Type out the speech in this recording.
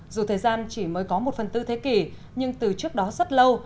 dù thời gian chỉ mới có một phần tư thế kỷ nhưng từ trước đó rất lâu